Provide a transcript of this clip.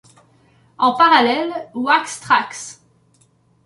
En parallèle, Wax Trax!